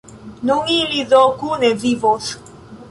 Nun ili do kune vivos!